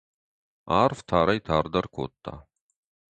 Арв тарӕй-тардӕр кодта.